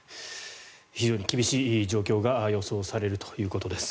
非常に厳しい状況が予想されるということです。